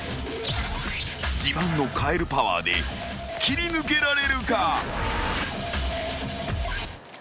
［自慢のカエルパワーで切り抜けられるか？］